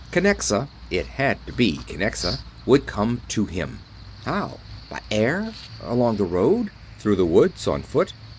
Kinnexa it had better be Kinnexa! would come to him. How? By air? Along the road? Through the woods on foot?